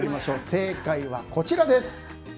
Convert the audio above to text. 正解はこちらです。